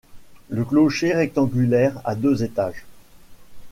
Le clocher rectangulaire a deux étages.